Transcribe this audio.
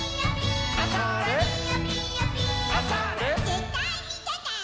「ぜったいみてて」